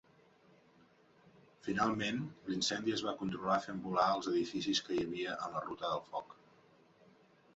Finalment, l'incendi es va controlar fent volar els edificis que hi havia en la ruta del foc.